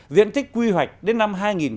diện tích quy hoạch đến năm hai nghìn ba mươi